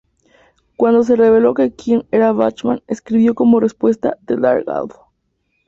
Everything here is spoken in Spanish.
Cuando se reveló que King era Bachman, escribió, como respuesta, "The Dark Half".